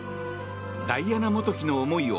ダイアナ元妃の思いを